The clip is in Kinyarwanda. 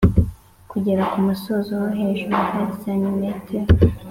Kugera ku musozo wo hejuru hari santimetero